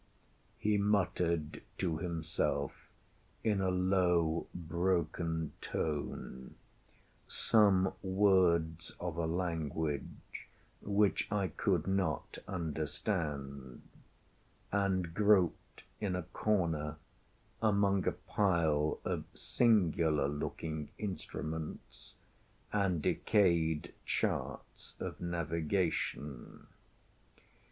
He muttered to himself, in a low broken tone, some words of a language which I could not understand, and groped in a corner among a pile of singular looking instruments, and decayed charts of navigation.